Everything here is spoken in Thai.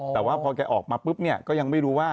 แต่ว่าพอแกออกมาปุ๊บเนี่ยก็ยังไม่รู้ว่า